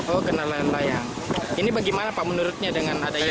oh kena layang layang ini bagaimana pak menurutnya dengan adanya